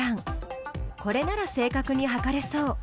これなら正確に測れそう。